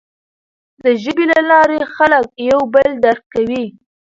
د ژبې له لارې خلک یو بل درک کوي.